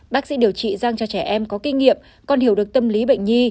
bác sĩ điều trị răng cho trẻ em có kinh nghiệm còn hiểu được tâm lý bệnh nhi